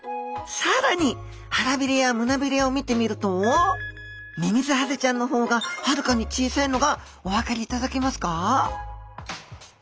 更に腹びれや胸びれを見てみるとミミズハゼちゃんの方がはるかに小さいのがお分かりいただけますか？